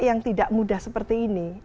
yang tidak mudah seperti ini